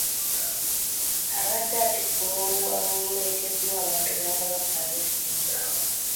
Abadde atikkula oluwalo oluleeteddwa abantu ba Kabaka ab'e Ssingo.